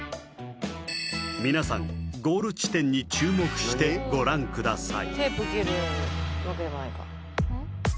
皆さんゴール地点に注目してご覧ください